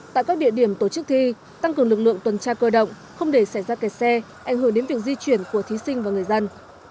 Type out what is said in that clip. tại các địa điểm tổ chức thi tăng cường lực lượng tuần tra cơ động không để xảy ra kẻ xe ảnh hưởng đến việc di chuyển của thí sinh và người dân